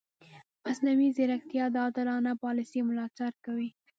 مصنوعي ځیرکتیا د عادلانه پالیسي ملاتړ کوي.